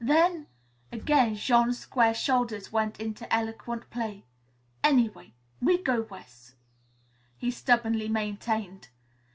Then " Again Jean's square shoulders went into eloquent play. "Anyway we go wes'," he stubbornly maintained.